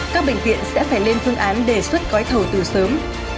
các bệnh viện sẽ phải lên phương án đề xuất gói thầu từ sớm